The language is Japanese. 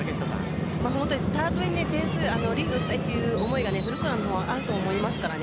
本当にスタートで点数をリードしたいという思いが古川はあると思いますからね。